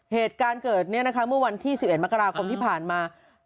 เหตุการณ์เกิดเมื่อวันที่๑๑มกราคมที่ผ่านมา